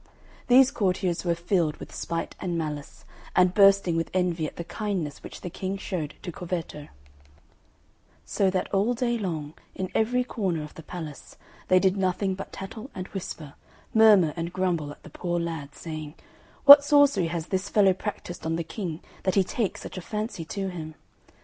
These courtiers were filled with spite and malice, and bursting with envy at the kindness which the King showed to Corvetto; so that all day long, in every corner of the palace, they did nothing but tattle and whisper, murmur and grumble at the poor lad, saying, "What sorcery has this fellow practised on the King that he takes such a fancy to him?